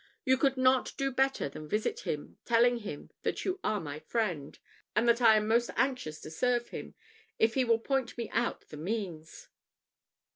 You could not do better than visit him, telling him that you are my friend, and that I am most anxious to serve him, if he will point me out the means."